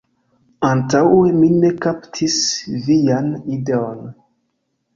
Antaŭe mi ne kaptis vian ideon.